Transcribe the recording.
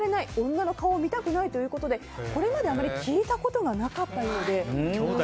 女の顔を見たくないということでこれまで、あまり聞いたことがなかったようで。